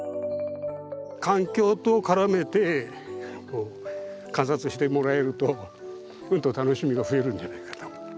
環境と絡めて観察してもらえるとうんと楽しみが増えるんじゃないかと。